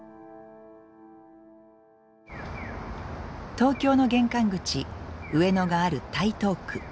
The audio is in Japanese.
東京の玄関口上野がある台東区。